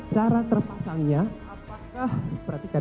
cara terpasangnya apakah perhatikan ya